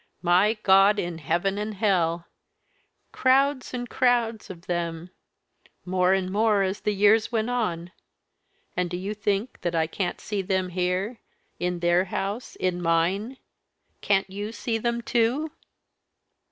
My God in heaven and hell! crowds and crowds of them, more and more as the years went on. And do you think that I can't see them here in their house, and mine! Can't you see them too?"